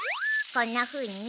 こんなふうにね。